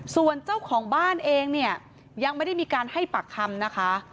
ส่วนเจ้าของบ้านเองเนี่ยยังไม่ได้มีการให้ปากคำนะคะ